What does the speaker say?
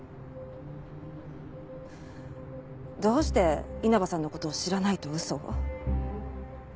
どうして稲葉さんの事を知らないと嘘を？